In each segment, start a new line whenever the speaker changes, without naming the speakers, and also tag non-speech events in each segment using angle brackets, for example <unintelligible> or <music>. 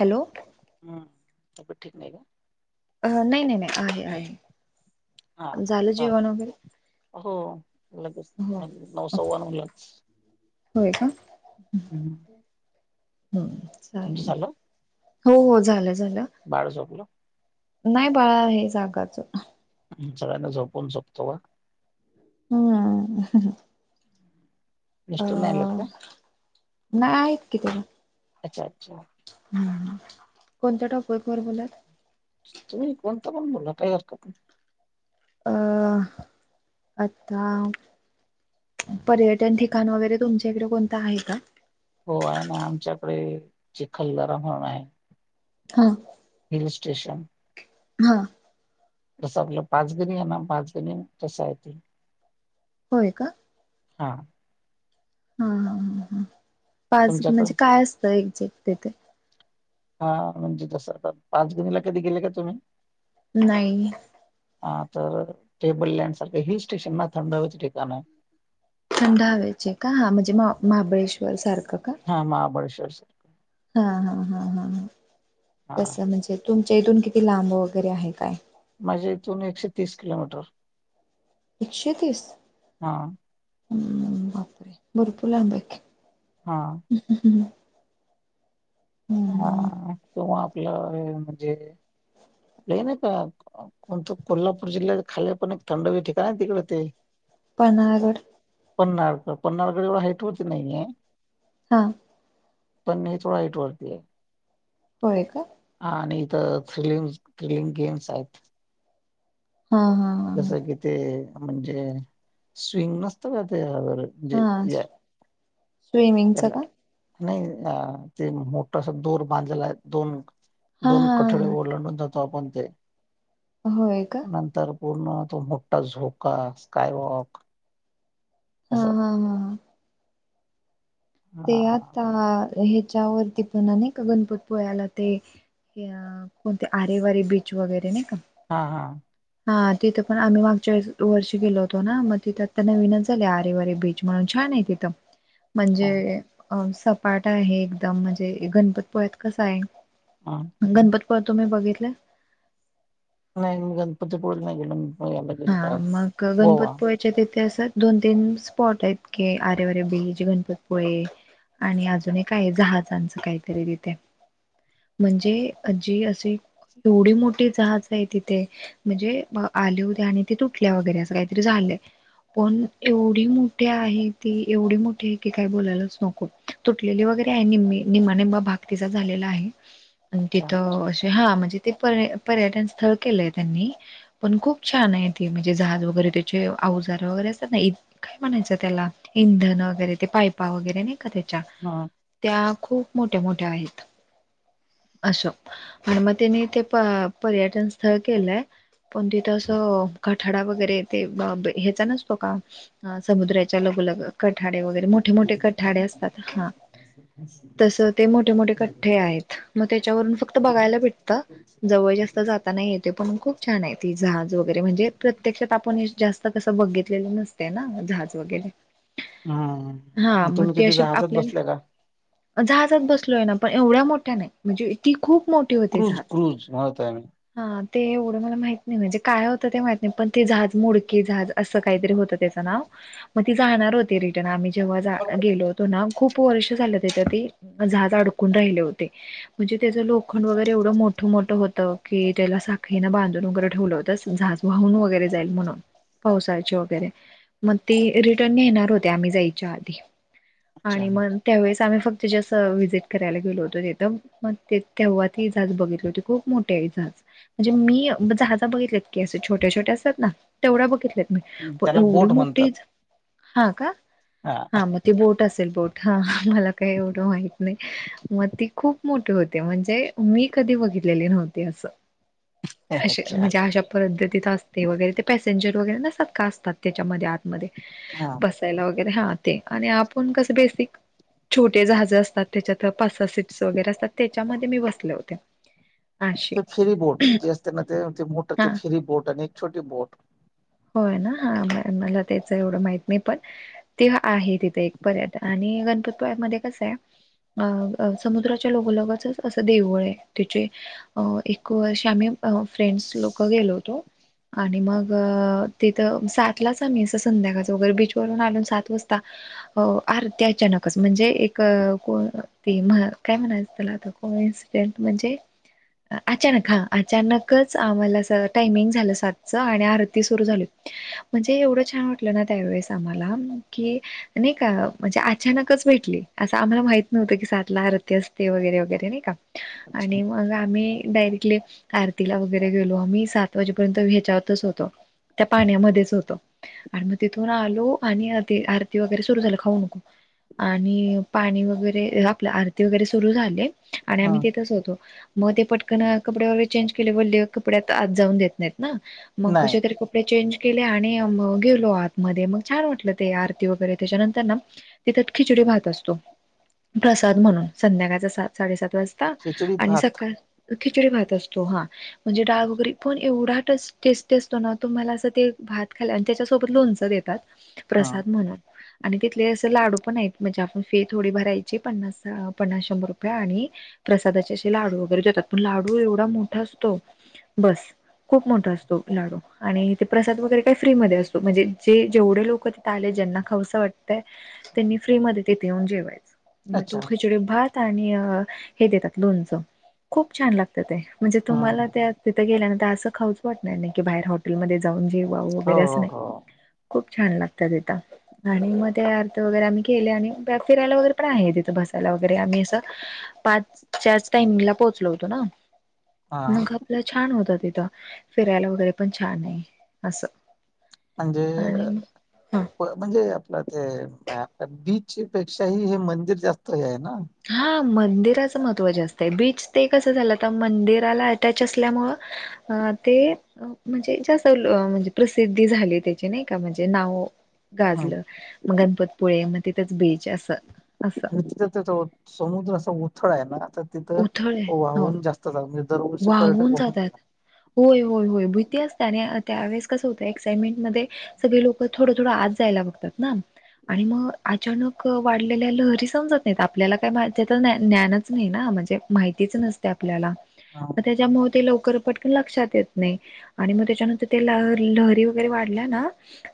Hello
बेत ठीक नाही का
अ नाही नाही नाही आहे
हा
आहे झालं
हा.
जेवण वगैरे
हो
हो
लगेचे नऊ सव्वणव लाच
होय का
हम्म तुमचं
चालेल
झालं?
हो हो झालं झालं
बाळ झोपल.
नाही बाळ आहे जागे अजून
सगळ्यांना झोपून झोपतो का
हा अ
मिस्टर नाही आलेत का?
नाही आहेत कि तला
अच्छा अच्छा
कोणत्या टॉपिक वर बोलाल?
तुम्ही, कोणत्या पण बोला काही हरकत नाही.
अह आता, पर्यटन ठिकाण वगैरे तुमच्या इकडे कोणत आहे का?
हो, आहे ना. आमच्याकडे चिखलदरा म्हणून आहे.
हा
हिल स्टेशन
हा
तसं आपलं पाचगणी आहे. ना पाच गणी तस आहे ते
होय का,
हा
हा हा ह ह पाच
तुमच्याकडे?
म्हणजे काय असतं एक्झेक्ट तिथे?
हा म्हणजे तस पाच गणीला कधी गेले का तुम्ही?
नाही.
हा तर टेबललँड सारखं हिल स्टेशन ना थंड हव्याचं ठिकाण आहे
थंड हवेचे का हा म्हणजे महाबळेश्वर सारखं, का
हा महाबळेश्वर
हा हा हा हा
हा
तस म्हणजे तुम इथून किती लांब वगैरे आहे काय?
माझ्या इथून एकशे तीस किलोमीटर.
एकशे तीस
हा
हम्म बापरे भरपूर लांबा आहे की.
हा
ह ह
हा किंवा आपलं हे म्हणजे ते नाही का कोणत कोल्हापूर जिल्ह्यात खाली पण एक थंड ठिकाण आहे तिकड ते
पन्हाळा गड
पन्नाळगड पन्नाळगड एवढ्या हाईट वर नाही आहे.
हा
पण हे थोड हाईट वरती हाय.
होय का,
थ्रलिंग थ्रलिंग गेम्स आहेत
हा, हा हा
जसं कि ते म्हणजे स्विंग नसत का ते जे या
स्विमिंगच
त्याला
का?
नाही ते मोठा अस दोर बांधलेला आहे दोन
हा
दोन कठळे
हा
ओलांडून जात. स्थापन ते
होय का.
नंतर पूर्ण तो मोठा झोका, स्कायवॉक
हा
असं
हा हा ह ते
हा
आता ह्याच्यावरती पण अ नाही का गणपती पोळ्याला ते कोणते आरेवारी बीच वगैरे नाही का.
हा हा
हा तिथं पण आम्ही मागच्या वर्षी गेलो होतो. ना मग तिथे आता नवीनच झाले आरे वारे बीच म्हणून छान आहे तिथं
अच्छा
म्हणजे अ सपाट आहे एकदम म्हणजे गणपती पोळ्यात कसा आहे.
हा
गणपतीपुळ्यात तुम्ही बघितलं
नाही मी गणपतीपुळेला नाही गेलो मी. पण याला गेलेलो
हा
आहे
मग
गोवा
गणपतीपुल्याच्या ते ते असं दोन तीन स्पॉट आहेत की आरेवारे बीच, गणपतीपुळे. आणि अजूनही काय जहाजांचं काहीतरी तिथे म्हणजे आजी असे थोडी मोठी जहाज आहे तिथे म्हणजे आल आणि ते तुटल्या वगैरे असं काहीतरी झालं पण एवढी मोठी आहे ती एवढी मोठी आहे की काही बोलायलाच नको तुटलेली व वगैरे नि निमाणेबा भागतीचा झालेला आहे आणि
अच्छा
तिथं असे हा म्हणजे ते पर्यटन स्थळ केलंय त्यांनी पण खूप छान आहे ते म्हणजे जहाज वगैरे त्याचे आवजार वगैरे अस नाही काय म्हणायचं त्याला इंधन पा वगैरे नाही का त्या
हा
त्या खूप मोठ्या मोठ्या आहेत अशो आणि मग त्यांनी ते पर्यटन स्थळ केलंय पण तिथ कठाडा वगैरे ते ह्याचा नसतो का समुद्राच्या लघ लग कठाड वगैरे मोठे मोठे कठाडे असतात हा तसं ते मोठे मोठे कठ्ठे आहेत मग त्याच्यावरून फक्त बघायला भेटतं जवळ जास्त जाताना येते पण खूप छान आहेत ज वगैरे म्हणजे प्रत्यक्षात आपण हे जास्त कसं बघितलेलं नसत जज वगैरे हा
हम्म
मग
तुम्ही
ते
कधी
असे
जहाजात बसल्या का
आपल्याला. जहाजात बसलो आहे ना पण एवढ्या मोठ्या नाही म्हणजे ती खूप. मोठे होते जज
क्रूज क्रूज म्हणत आहे मी
हा ते एवढं मला माहि. नाही म्हणजे काय होतं ते माहित नाही पण ते झाज मुडके झाज असं काहीतरी होत त्याच नाव मग ती जाणार. रिर्न आम्ही जेव्हा गेलोतो ना. खूप वर्ष झालं त्या ते झाज अडकून राहिले होते म्हणजे त्याचं लोखंड वगैरे एवढं मोठ. ठ मोठ होत की त्याला साखळीनं बांधून वगैरे ठेवलं होत झाज वाहून वगैरे जाईल म्हणून. पावसाचे वगैरे मग ते रिटर्नेणार होते आम्ही जायच्या आधी.
अच्छा
आणि मग त्यावेळेस आम्ही फक्त. तेच्यासं व्हिजिट करायला गेलो होतो तेिथं मग ते तेव्हा ती झाज बघितली होती खूप मोठे आहे जहाज म्हणजे मी जहाज बघितलेत की असे छोट्या छोट्या असतात ना तेवढ्या बघितलेत. पण
त्याला
एवढी
बोट
मोठीच
म्हणतात
हा का हा मग ती बोट असेल बोट. हा मला काही एवढं माहित नाही मग ती खूप मोठी होते म्हणजे मी कधी बघित. घलेली नव्हती असं. असे
ह.
म्हणजे अशा पद्धतीत असते वगैरे ते पॅसेंजर वगैरे नसतात का असतात त्याच्यामध्ये आ.
हा
बसायला वगैरे हा ते आणि आपण कसं बेसिक. छोटे जहाज असतात त्याच्यात पास सीट्स वगैरे असतात त्याच्यामध्ये मी बसले होते. अशी
तर फेरी बोट जे असते ना ते मोठ
हा
ते फेरी बोट आणि एक छोटी बोट.
होय ना हा मला त्याच एवढं माहित नाही पण तेव आहे तिथे एक पर्यट आणि. गणपतपया मध्ये कस आहे. अ समुद्राच्या लोगलगचच असं देवळ आहे त्याचे अ एक श्यामे. फ्रेंड्स लोक गेलो होतो आणि मग. तथ सातलाच आम्ही अस संध्याकाळ वगर बीच वून आून सात वाजता आर. अचानकच म्हणजे एक ते काय म्हणायचं त्याला आता को इन्सिडेंट म्हणजे अचानक हा अचानकच आम्हाला टायमिंग झालं सातच आणि अरती ण छ त्या आ अचानकच भेटली असं आम्हाला माहित नव्हतं की सातला रत्य असते वगैरे वगैरे नाही का
अच्छा
आणि मग आम्ही डारे आरतीला वगैरे गेलो आम्ही सात वाजेपर्यंत वेचावतच होतो त्या पाण्यामध्येच होतो आणि मग तिथून आलो आणि आरती वगैरे सुरू झालं खाऊ नको आणि पाणी वगैरे आपल्या आरती वगैरे सुरु झाले आणि
हा
आम्ही तेथच होतो मग ते पटकन कपडे वगर चेंज केले वले कपड्यात आत जाऊन देत नाहीत ना मग कश
नाही
तरी ं के गेलो आत छान वाट आरती वरे त्याच्यानंतर तिथ खिचडी, भात असतो प्रसाद म्हणून संध्याकाळचा सात साडेसात वाजता
खिचडी
आणि
भात
सकाळ खिचडी, भात असतो हा म्हणजे डाळ वगैरे पण एवढा टेस्टी असतो ना, तुम्हाला असं ते भात खाल्ल आणि त्याच्यासोबत लोणचं देतात.
हा
प्रसाद म्हणून. आणि तिथले असं लाडू पण आहेत, म्हणजे आपण फी थोडी भरायची पन्नास अ पन्नास, शंभर रुपये आणि प्रसादाचे असे लाडू वगैरे देतात. पण लाडू एवढा मोठा असतो. बसं खूप मोठा असतो लाडू. आणि ते प्रसाद वगैरे काही फ्रीमध्ये असतो, म्हणजे जे जेवढे लोक तिथ आले ज्यांना खावंस वाटतंय. त्यांनी फ्री मध्ये तेथे येऊन जेवायच. मग तू
अच्छा
खिचडी भात आणि हे देतात, लोणचं खूप छान लागतं ते. म्हणजे
हा
तुम्हाला त्या तिथं गेल्यानंतर असं खाऊच वाटणार नाही की, बाहेर हॉटेल मध्ये जाऊन जे- वाव
हो
वगैरे असं
हो
नाही,
हो
खूप छान लागतात ते तांदूळ. आणि मग ते आरती वगैरे आम्ही केले, आणि फिरायला वगैरे पण आहे तिथं बसायला वगैरे आम्ही असं पाचच्याच टाइमिंगला पोहोचलो होतो ना.
हा
मग आपलं छान होतं तिथं, फिरायला वगैरे पण छान आहे असं.
म्हणजे
आणि ह
म्हणजे आपलं ते बीच. पेक्षाही हे मंदिर जास्त हे आहे ना.
मंदिराच महत्व जास्त आहे, बीच ते कस झालं आता मंदिराला अटॅचं असल्यामुळ अ ते म्हणजे जास्त म्हणजे प्रसिद्धी झाली त्याची नाही का, म्हणजे नाव
हम्म.
गाजलं मग, गणपतपुळे मग तिथंच बीच असं. असं
आणि तिथ तेचं समुद्र असं उथळ आहे ना? तर तिथं
उथळ आहे हो
वाहून जास्त जातात, म्हणजे दरवर्षी पर्यटक
वाहून जातात
<unintelligible>
होय होय होय, भीती असते आणि त्या वेळेस कसं होतं, एक्साइटमेंट मध्ये सगळे लोक थोडं थोडं आत जायला बघतात ना. आणि मग अचानक वाढलेल्या लहरी समजत नाही आपल्याला काय मा त्याच ज्ञानच नाही ना म्हणजे माहितीच नसते आपल्याला
हा
मग त्याच्यामुळे ते लवकर पटकन लक्षात येत नाही आणि मग त्याच्यानंतर ते लहरी लहरी वगैरे वाढल्या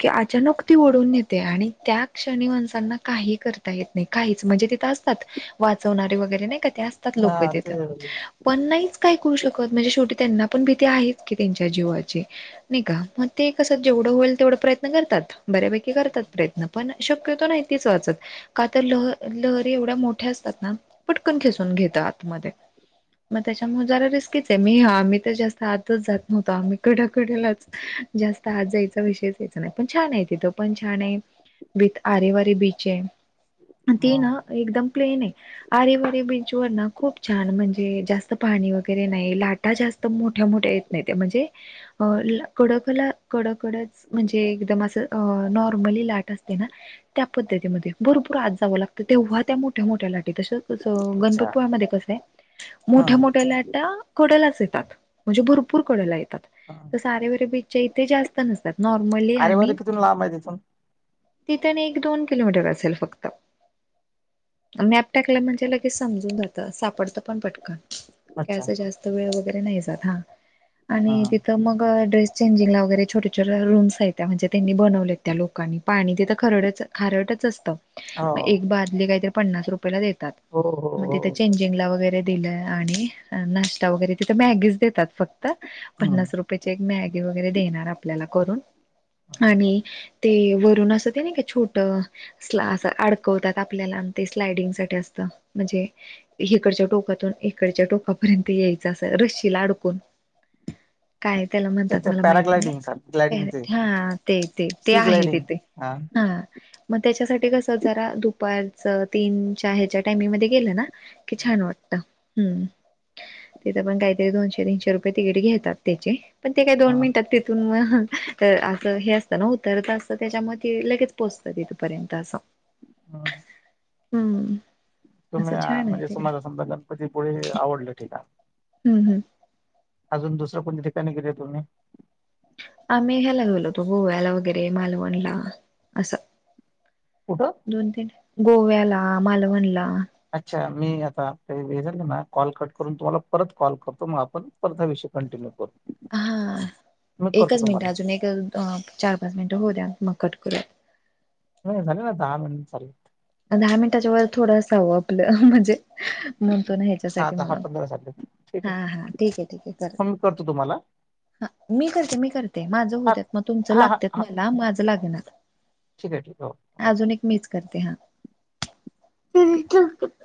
की अचानक ती ओढून नेते आणि त्या क्षणी माणसांना काही करता येत नाही काही चं म्हणजे तिथ असतात वाचवणारे नाही का ते असतात लोक
हा
तिथ
ते
पण नाही काय करू शकत म्हणजे शेवटी त्यांना पण भीती आहे त्यांच्या जीवाची नाही का ते कसं जेव- -ढं होईल तेवढं प्रयत्न करतात बऱ्यापैकी करतात प्रयत्न पण शकतो नाही ती वाचत. का तर लहरी लहरी एवढ्या मोठ्या असतात ना, पटकन खेचून घेता आत मध्ये मग त्याचा जरा रिस्कीच आहे, मी आम्ही तर जास्त आतच जात नव्हतो आम्ही कडं कडंलाच जास्त आत जायचा विषय यायचा नाही, पण छान आहे तिथं पण छान आहे. विथ आरे वारे बीच आहे. ती
हा
ना एकदम प्लेन आहे, आरे वारे बीच वर ना खूप छान म्हणजे जास्त पाणी वगैरे नाही, लाटा जास्त मोठ्या मोठ्या येत नाही त्या म्हणजे कडकला कडकडचं म्हणजे एकदम असं नॉर्मली लाट असते ना, त्या पद्धती मध्ये भरपुर आत जावं लागत तेव्हा, त्या मोठ्या मोठ्या लाट तसचं
अच्छा
गणपतपुळा मध्ये कसंय?
हा
मोठ्या मोठ्या लाटा कडलाच येतात, म्हणजे भरपूर कडला येतात
हा
तसं आरे वारे बीच- -च्या इथे जास्त नसतात, नॉर्मली
अरे वारे
आणि
किथून लांब आहे तिथून
तिथं आणि एक, दोन किलोमीटर असेल फक्त. मॅप टाकला म्हणजे लगेच समजून जात सापडत पण पटकन. काय
अच्छा
असं जास्त वेळ वगैरे नाही जात हा
हा
आणि तिथं मग ड्रेस चेंजिंग ला वगैरे छोटे छोटे रूम्स आहेत त्या म्हणजे त्यांनी बनवले त्या लोकानी पाणी तिथं खरडच खा -रटच सत.
हो
एक बादली काय तर पन्नास रुपये ला देतात.
हो हो
मग तिथं
हो
चेजिंग ला दिलं आणि नाश्ता वगैरे तिथं मॅगीज देतात फक्त
हम्म
पन्नास रुपयाची एक मॅगी वगैरे देणार आपल्याला करून. आणि ते वरून असं ते नाही का छोट स्ला अडकवतात आपल्याला ते स्लाडींग साठी असत म्हणजे हिकडंच टोक टोकातून इकडच्या टोकापर्यंत यायचं अस रस्सीला अडकून काय त्याला म्हणतात
त्या
मला माहित
पॅराग्लायडिंग सारखं ग्लायडिंग
नाही
ते
हा ते ते ते
सी
आहे
ग्लायडिंग
तेथे. हा मग त्याच्यासाठी कस जरा दुपारच तीन च ह्याच्या टाइमिंग मध्ये गेलं ना की छान वाटत. हम्म तिथ पण काहीतरी दोनशे तीनशे रुपये तिकीट घेतात त्याचे. पण ते काय दोन
हा
मिनिटात तिथून मग. तर असं हे असतं ना उतरत असत त्याच्या म ते लगेच पोहोचतं तथपर्यंत असं.
<inaudible>
हम्म.
तुम्ही
असं छान आहे
म्हणजे
तिकडे
तम्हाला समजा गणपती पुढे आवडलं ठठीा.
हम्म हम्म.
अजून दुसर्या कोणत्या ठिकाणी गेले तुम्ही.
आ्ही ह्याला गेलोतो गोव्याला वगैरे मालवणला असा.
कुठं
दोन तीन गोव्याला मालवणला.
अच्छा मी आता काही वे झाल ना कॉल कट करून तुम्हाला परत कॉल करतो मग आपण परत हा विषय कंटिन्यू करू.
हा
मी करतो
एकच मिनट
तुम्हाला
अजून एकच चार पाच मिनट. हो द्या मग कट कररात.
नाही झाले ना दहा मि चालेत.
दहा मिनिटाच्या व थोडं असावं आपलं म्हणजे. म्हणतो ना
हा
ह्याच्यासाठी
दहा
मला
पंधरा झाले ठीक
हा
आहे
हा ठीक आहे ठीके चाले.
मग मी करतो तुम्हाला
हा मी करते मी करते माझं
हा
होत मग तुमच
हा हा
लागते
हा
मला माझं लागणार.
ठीक आहे ठीक.
करते ह ते.